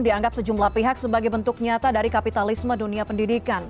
dianggap sejumlah pihak sebagai bentuk nyata dari kapitalisme dunia pendidikan